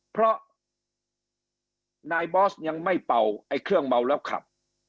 เพราะนายบอสยังไม่เป่าไอ้เครื่องเมาแล้วขับ